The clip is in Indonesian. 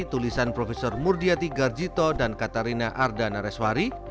tulisan prof murdiati garjito dan katarina arda nareswari